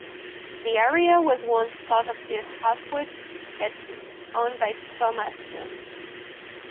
The area was once part of the Hafod Estate, owned by Thomas Johnes.